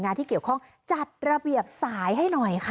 ที่เกี่ยวข้องจัดระเบียบสายให้หน่อยค่ะ